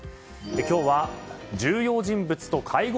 今日は、重要人物と会合